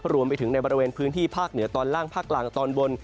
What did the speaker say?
รวมไปถึงในบริเวณพื้นที่ภาคเหนือตอนล่างภาคกลางตอนบน